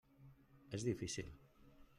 És difícil.